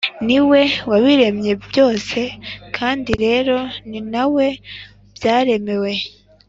Ni we wabiremye byose kandi rero ni na we byaremewe.